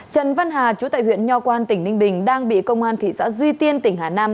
trần văn hà chú tại huyện nho quang tỉnh ninh đình đang bị công an tp duy tiên tỉnh hà nam